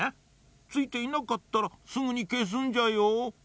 ついていなかったらすぐにけすんじゃよ。